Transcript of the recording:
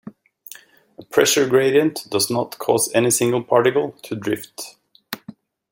A pressure gradient does not cause any single particle to drift.